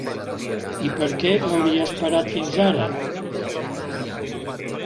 I per què hauria esperat fins ara?